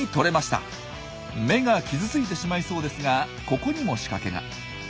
目が傷ついてしまいそうですがここにも仕掛けが。